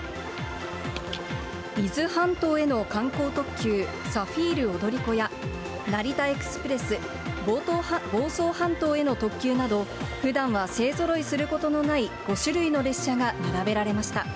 伊豆半島への観光特急、サフィール踊り子や、成田エクスプレス、房総半島への特急など、ふだんは勢ぞろいすることのない、５種類の列車が並べられました。